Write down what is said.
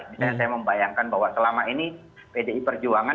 misalnya saya membayangkan bahwa selama ini pdi perjuangan